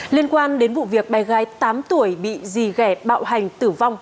liên quan đến vụ việc bé gái tám tuổi bị dì ghẹ bạo hành tử vong